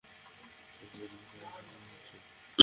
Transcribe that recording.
তার কথা-বার্তায় আমার সন্দেহ হচ্ছে।